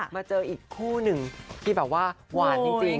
มาเจออีกคู่หนึ่งที่แบบว่าหวานจริง